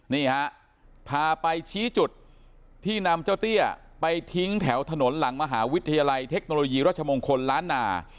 นี่ฮะพาไปชี้จุดที่นำเจ้าเตี้ยไปทิ้งแถวถนนหลังมหาวิทยาลัยเทคโนโลยีรัชมงคลล้านนา